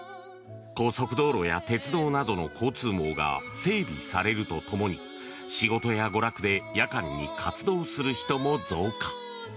高速道路や鉄道などの交通網が整備されると共に仕事や娯楽で夜間に活動する人も増加。